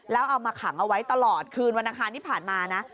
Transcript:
แล้วเอามาขังเอาไว้ตลอดคืนวันอังคารที่ผ่านมานะ